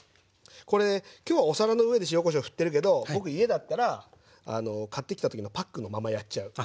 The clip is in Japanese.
これ今日はお皿の上で塩・こしょうふってるけど僕家だったら買ってきた時のパックのままやっちゃう。